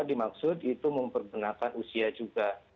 dimaksud itu mempergunakan usia juga